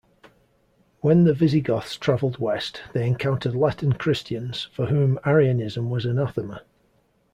When the Visigoths traveled west, they encountered Latin Christians, for whom Arianism was anathema.